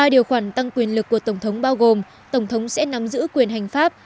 ba điều khoản tăng quyền lực của tổng thống bao gồm tổng thống sẽ nắm giữ quyền hành pháp